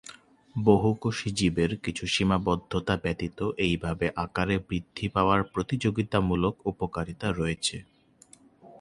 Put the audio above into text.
বহুকোষী জীবের কিছু সীমাবদ্ধতা ব্যতীত এইভাবে আকারে বৃদ্ধি পাওয়ার প্রতিযোগিতামূলক উপকারিতা রয়েছে।